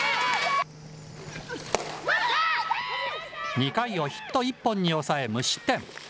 ２回をヒット１本に抑え無失点。